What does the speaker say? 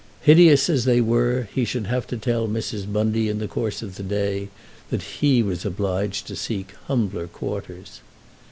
Hideous as they were he should have to tell Mrs. Bundy in the course of the day that he was obliged to seek humbler quarters.